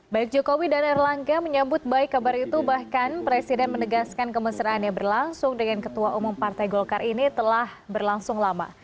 baik jokowi dan erlangga menyambut baik kabar itu bahkan presiden menegaskan kemesraan yang berlangsung dengan ketua umum partai golkar ini telah berlangsung lama